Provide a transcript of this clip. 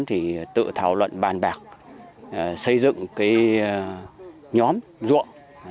thì tự thảo luận bàn bạc xây dựng cái nhóm ruộng